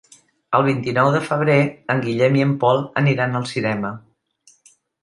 El vint-i-nou de febrer en Guillem i en Pol aniran al cinema.